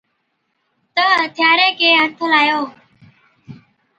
تہ ھٿياري کي ھَٿ لايو